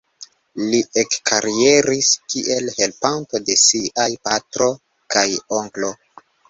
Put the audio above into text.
Li ekkarieris kiel helpanto de siaj patro kaj onklo.